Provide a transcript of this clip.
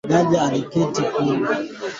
Jaji Ketanji ahojiwa na seneti kwa siku ya pili.